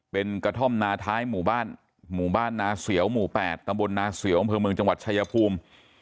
เป็นกระท่อมนาท้ายหมู่บ้านหมู่บ้านนาเสียวหมู่๘ตำบลนาเสียวอำเภอเมืองจังหวัดชายภูมิ